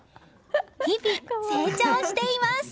日々、成長しています！